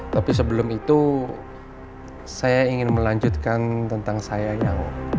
tapi sebelum itu saya ingin melanjutkan tentang saya yang